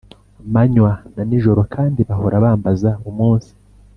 manywa na nijoro Kandi bahora bambaza umunsi